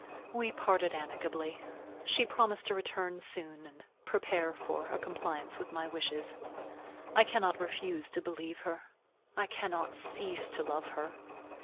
We parted amicably. She promised to return soon and prepare for a compliance with my wishes. I cannot refuse to believe her. I cannot cease to love her.